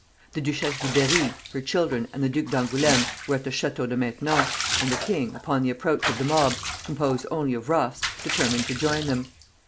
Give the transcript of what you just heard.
The Duchesse de Berri, her children, and the Duc d'Angoulême were at the Château de Maintenon, and the king, upon the approach of the mob, composed only of roughs, determined to join them.